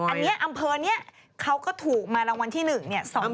อันอำเภาเขาก็ถูกมารางวัลที่หนึ่ง